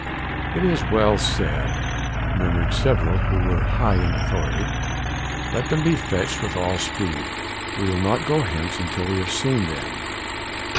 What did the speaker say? "It is well said," murmured several who were high in authority, "let them be fetched with all speed; we will not go hence until we have seen them."